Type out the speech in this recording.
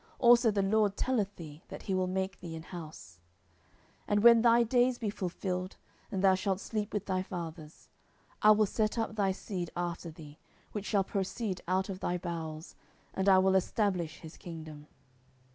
Also the LORD telleth thee that he will make thee an house. 10:007:012 And when thy days be fulfilled, and thou shalt sleep with thy fathers, I will set up thy seed after thee, which shall proceed out of thy bowels, and I will establish his kingdom.